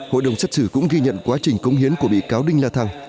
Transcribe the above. hội đồng xét xử cũng ghi nhận quá trình cống hiến của bị cáo đinh la thang